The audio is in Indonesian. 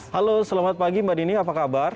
halo selamat pagi mbak dini apa kabar